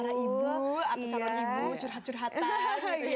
cara ibu atau calon ibu curhat curhatan